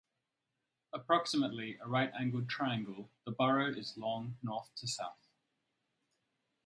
Approximately a right-angled triangle, the borough is long north to south.